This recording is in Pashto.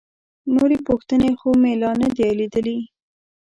نورې پوښتنې خو مې لا نه دي لیدلي.